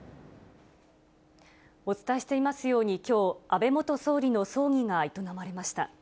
お伝えしていますように、きょう、安倍元総理の葬儀が営まれました。